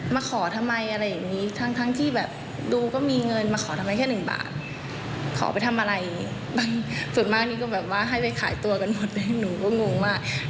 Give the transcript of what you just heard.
มาขอทำไมอะไรอย่างนี้ทั้งทั้งที่แบบดูก็มีเงินมาขอทำไมแค่หนึ่งบาทขอไปทำอะไรบางส่วนมากนี่ก็แบบว่าให้ไปขายตัวกันหมดเลยหนูก็งงว่า